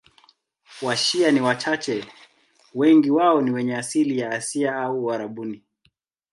Washia ni wachache, wengi wao ni wenye asili ya Asia au Uarabuni.